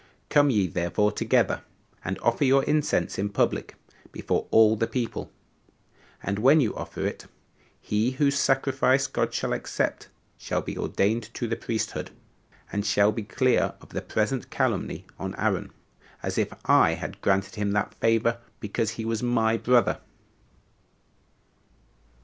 Come ye therefore together, and offer your incense in public before all the people; and when you offer it, he whose sacrifice God shall accept shall be ordained to the priesthood, and shall be clear of the present calumny on Aaron, as if I had granted him that favor because he was my brother."